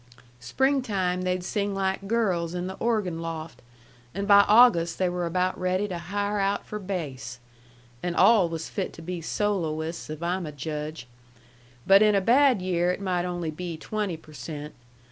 Springtime they'd sing like girls in the organ loft, and by August they were about ready to hire out for bass. And all was fit to be soloists, if I'm a judge. But in a bad year it might only be twenty per cent.